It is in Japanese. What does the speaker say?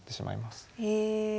へえ。